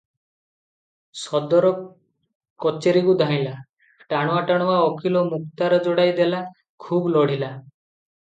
ସଦର କଚେରୀକୁ ଧାଇଁଲା, ଟାଣୁଆ ଟାଣୁଆ ଓକିଲ ମୁକ୍ତାର ଯୋଡ଼ାଏ ଦେଲା, ଖୁବ୍ ଲଢ଼ିଲା ।